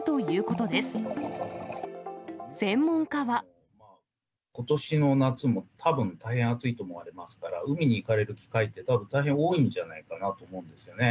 ことしの夏もたぶん、大変暑いと思われますから、海に行かれる機会って、大変多いんじゃないかと思うんですよね。